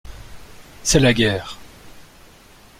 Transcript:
C'est la guerre.